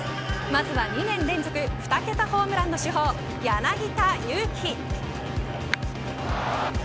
まずは２年連続２桁ホームランの主砲柳田悠岐。